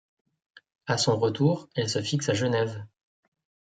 A son retour, elle se fixe à Genève.